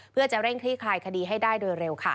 เพื่อจะเร่งคลี่คลายคดีให้ได้โดยเร็วค่ะ